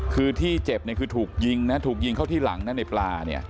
คือที่เจ็บคือถูกยิงเข้าที่หลังในปลา